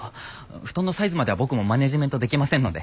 布団のサイズまでは僕もマネージメントできませんので。